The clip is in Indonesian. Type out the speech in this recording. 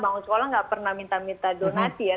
mau sekolah nggak pernah minta minta donasi ya